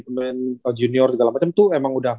pemain junior segala macam itu emang